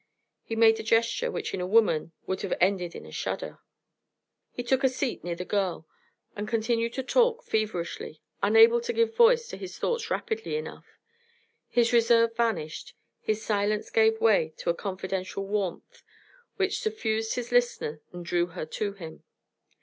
He made a gesture which in a woman would have ended in a shudder. He took a seat near the girl, and continued to talk feverishly, unable to give voice to his thoughts rapidly enough. His reserve vanished, his silence gave way to a confidential warmth which suffused his listener and drew her to him.